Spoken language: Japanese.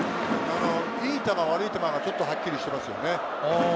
いい球、悪い球がちょっとはっきりしていますね。